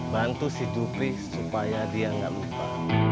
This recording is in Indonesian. bantu si dupri supaya dia gak lupa